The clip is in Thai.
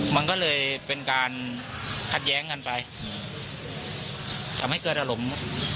มันก็เลยเป็นการขัดแย้งกันไปทำให้เกิดอารมณ์